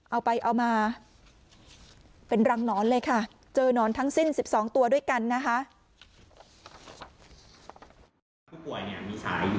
เอาไปเอามาเป็นรังหนอนเลยค่ะเจอหนอนทั้งสิ้น๑๒ตัวด้วยกันนะคะ